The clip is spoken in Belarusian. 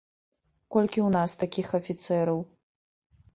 Колькі ў нас такіх афіцэраў?